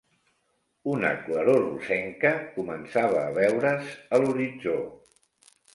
Una claror rosenca començava a veure's a l'horitzó.